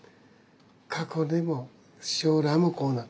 過去でも将来もこうなる。